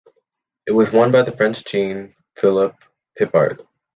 It was won by the French Jean-Philippe Pipart.